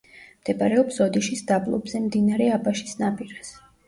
მდებარეობს ოდიშის დაბლობზე, მდინარე აბაშის ნაპირას.